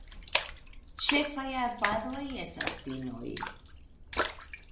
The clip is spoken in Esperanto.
Ĉefaj arbaroj estas pinoj.